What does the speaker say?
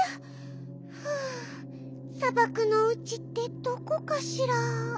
はあさばくのうちってどこかしら？